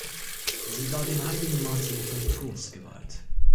Sie war dem Heiligen Martin von Tours geweiht.